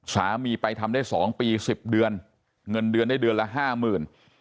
สามีไปทำได้๒ปี๑๐เดือนเงินเดือนได้เดือนละห้าหมื่น